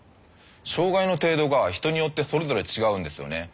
障がいの程度が人によってそれぞれ違うんですよね。